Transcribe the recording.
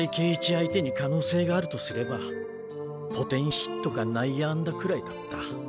相手に可能性があるとすればポテンヒットか内野安打くらいだった。